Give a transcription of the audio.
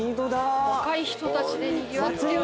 若い人たちでにぎわっております。